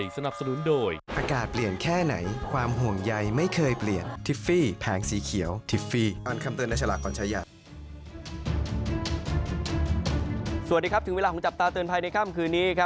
สวัสดีครับถึงเวลาของจับตาเตือนภัยในค่ำคืนนี้